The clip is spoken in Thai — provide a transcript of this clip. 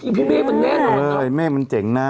อันนี้มีพี่เมฆอันนี้มันเจ๋งนะ